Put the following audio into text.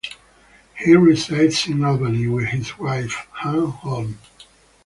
He resides in Albany with his wife, Anne Hahn.